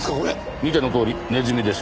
見てのとおりネズミですけど。